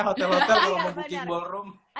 hotel hotel kalau mau booking ballroom ya